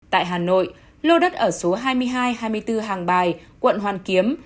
tại hà nội lô đất ở số hai mươi hai hai mươi bốn hàng bài quận hoàn kiếm